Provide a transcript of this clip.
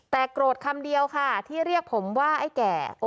แต่โกรธคำเดียวค่ะที่เรียกผมว่าไอ้แก่